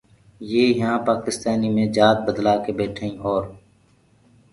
يي يهآنٚ پآڪِستآنيٚ مي جآت بدلآ ڪي ٻيٺائينٚ اور